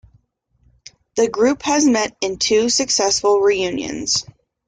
The group has met in two successful reunions.